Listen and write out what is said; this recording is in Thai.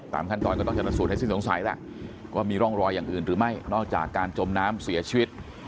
ขั้นตอนก็ต้องชนสูตรให้สิ้นสงสัยแหละว่ามีร่องรอยอย่างอื่นหรือไม่นอกจากการจมน้ำเสียชีวิต